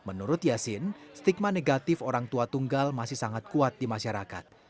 menurut yasin stigma negatif orang tua tunggal masih sangat kuat di masyarakat